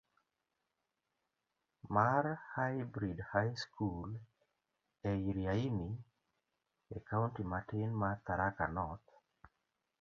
mar Hybrid High School e Iriaini, e kaunti matin mar Tharaka North.